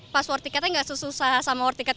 pas war tiketnya gak susah sama war tiket